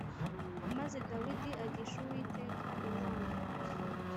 Maze Dawidi agisha Uwiteka inama